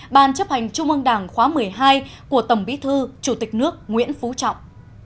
ban chấp hành trung ương đảng khóa một mươi hai của tổng bí thư chủ tịch nước nguyễn phú trọng